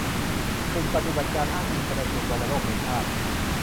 กลุ่มปฏิบัติการอ้างอิงชันสูตรวัณโรคแห่งชาติ